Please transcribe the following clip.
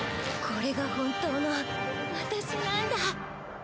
これが本当の私なんだ！